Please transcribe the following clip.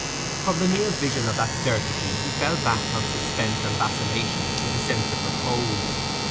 From the near vision of that certainty he fell back on suspense and vacillation with a sense of repose.